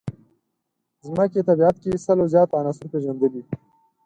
ځمکې طبیعت کې سلو زیات عناصر پېژندلي.